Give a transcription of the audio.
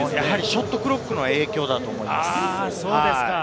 ショットクロックの影響だと思います。